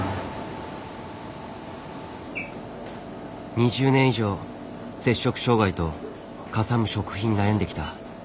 ２０年以上摂食障害とかさむ食費に悩んできた。